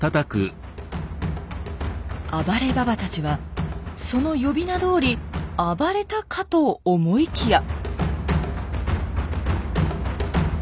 暴れババたちはその呼び名どおり暴れたかと思いきや。